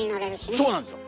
そうなんですよ！